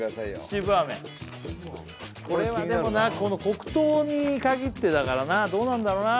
秩父飴これはでもな黒糖に限ってだからなどうなんだろうな？